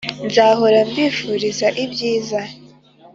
nzahora mbifuriza ibyiza